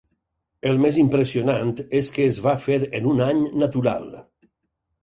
El més impressionant és que es va fer en un any natural.